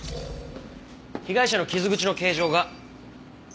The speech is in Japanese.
被害者の傷口の形状が。